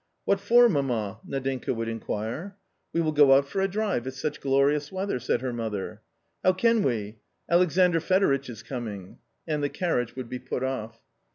" What for, mamma ?" Nadinka would inquire, " We will go out for a drive, it's such glorious weather," said her mother. " How can we ? Alexandr Fedoritch is coming." And the carriage would be put off.